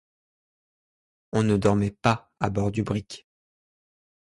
On ne dormait pas à bord du brick.